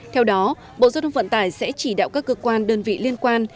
theo đó bộ giao thông vận tải sẽ chỉ đạo các cơ quan đơn vị liên quan